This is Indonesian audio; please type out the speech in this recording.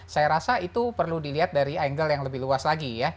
saya rasa itu perlu dilihat dari angle yang lebih luas lagi ya